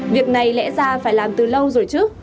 việc này lẽ ra phải làm từ lâu rồi trước